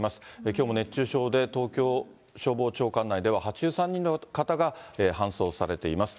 きょうも熱中症で東京消防庁管内では、８３人の方が搬送されています。